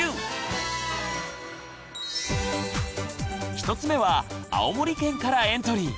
１つ目は青森県からエントリー！